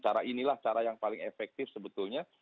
cara inilah cara yang paling efektif sebetulnya